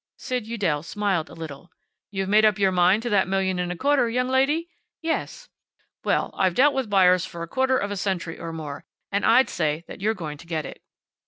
Sid Udell smiled a little. "You've made up your mind to that million and a quarter, young lady?" "Yes." "Well, I've dealt with buyers for a quarter of a century or more. And I'd say that you're going to get it."